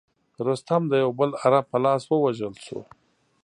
رستم د یوه بل عرب په لاس ووژل شو.